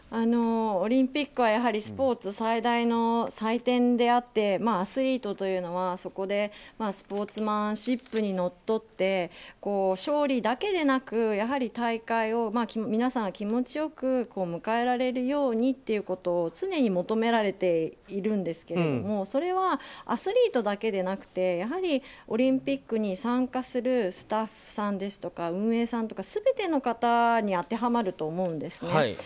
オリンピックはやはりスポーツ最大の祭典であってアスリートというのはそこでスポーツマンシップにのっとって勝利だけでなく、大会を皆さん、気持ち良く迎えられるようにということを常に求められているんですけどもそれは、アスリートだけでなくてやはり、オリンピックに参加するスタッフさんですとか運営さんとか全ての方に当てはまるとおもうんですね。